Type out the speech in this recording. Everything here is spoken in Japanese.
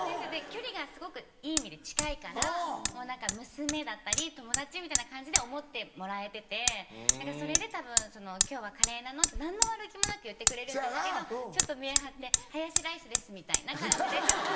距離がすごくいい意味で近いから何か娘だったり友達みたいな感じで思ってもらえてて何かそれでたぶん「今日はカレーなの？」って何の悪気もなく言ってくれるんですけどちょっと見え張って「ハヤシライスです」みたいな感じでちょっと。